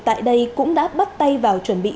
tại đây cũng đã bắt tay vào chuẩn bị